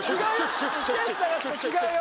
違うよ！